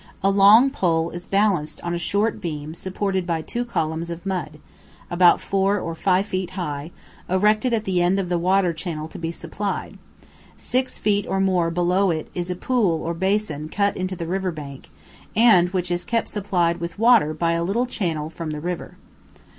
A long pole is balanced on a short beam supported by two columns of mud, about 4 or 5 feet high, erected at the end of the water channel to be supplied; 6 feet or more below it is the pool or basin cut in the river bank, and which is kept supplied with water by a little channel from the river.